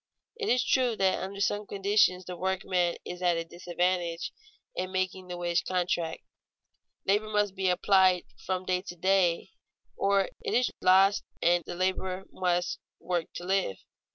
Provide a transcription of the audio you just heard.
It is true that under some conditions the workman is at a disadvantage in making the wage contract; labor must be applied from day to day or it is lost, and the laborer must work to live.